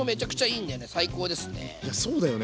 いやそうだよね。